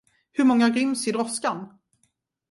Hur många ryms i droskan?